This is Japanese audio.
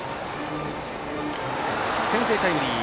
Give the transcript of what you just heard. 先制タイムリー